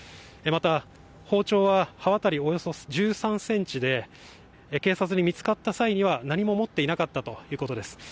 また、包丁は刃渡りおよそ１３ｃｍで、警察に見つかった際には何も持っていなかったということです。